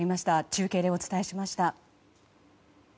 中継でお伝えしました。